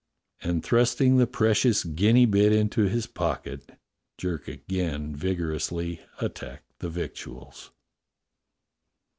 And thrusting the precious guinea bit into his pocket, Jerk again vigorously attacked the victuals.